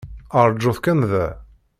Aṛǧut kan da.